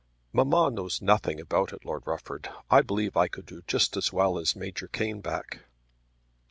"Mamma knows nothing about it, Lord Rufford. I believe I could do just as well as Major Caneback."